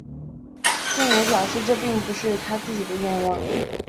晋美表示这并不是他自己的愿望。